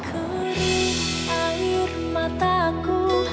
aku kering air mata aku